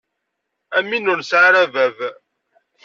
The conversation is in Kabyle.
Am win ur nesɛi ara bab.